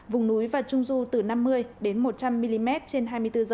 vùng núi và trung du từ năm mươi đến một trăm linh mm trên hai mươi bốn h